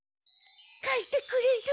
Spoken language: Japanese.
かいてくれる？